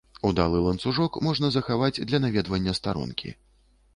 Удалы ланцужок можна захаваць для наведвання старонкі.